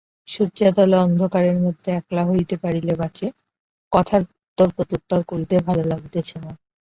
শয্যাতলে অন্ধকারের মধ্যে একলা হইতে পারিলে বাঁচে, কথার উত্তরপ্রত্যুত্তর করিতে ভালো লাগিতেছে না।